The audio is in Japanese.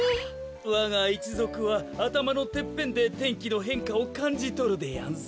わがいちぞくはあたまのてっぺんで天気のへんかをかんじとるでやんす。